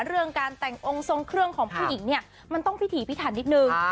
เรื่องการแต่งองค์ทรงเครื่องของผู้หญิงเนี่ยมันต้องพิถีพิถันนิดนึง